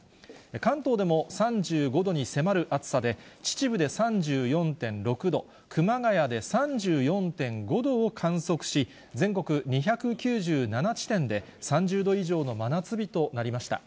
関東でも３５度に迫る暑さで、秩父で３４．６度、熊谷で３４．５度を観測し、全国２９７地点で３０度以上の真夏日となりました。